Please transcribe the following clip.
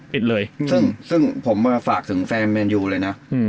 ปิดเลยซึ่งผมมาฝากถึงแฟนแมนยูเลยนะ